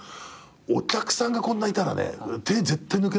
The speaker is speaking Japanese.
お客さんがこんないたらね手絶対抜けないと思いますよって。